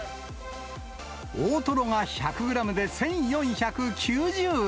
大トロが１００グラムで１４９０円。